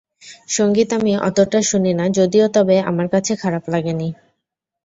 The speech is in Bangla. সংগীত আমি অতোটা শুনি না যদিও তবে আমার কাছে খারাপ লাগেনি।